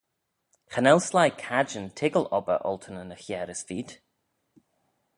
Cha nel sleih cadjin toiggal obbyr olteynyn y chiare as feed.